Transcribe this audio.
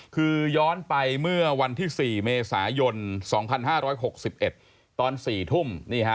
คือย้อนไปเมื่อวันที่๔เมษายน๒๕๖๑ตอน๔ทุ่ม